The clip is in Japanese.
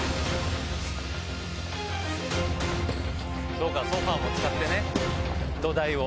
そうかソファも使って土台を。